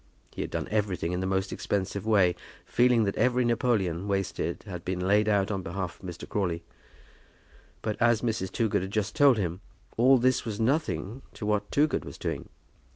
He had done everything in the most expensive way, feeling that every napoleon wasted had been laid out on behalf of Mr. Crawley. But, as Mrs. Toogood had just told him, all this was nothing to what Toogood was doing.